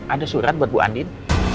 ada surat buat bu andin